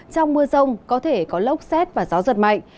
trong mưa rông có thể có lốc xét và gió giật mạnh